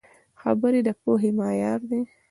خبرې د پوهې معیار دي